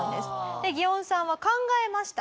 でギオンさんは考えました。